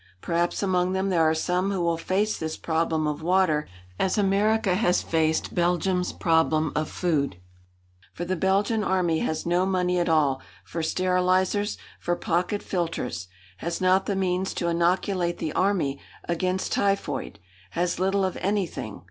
Perhaps among them there are some who will face this problem of water as America has faced Belgium's problem of food. For the Belgian Army has no money at all for sterilisers, for pocket filters; has not the means to inoculate the army against typhoid; has little of anything.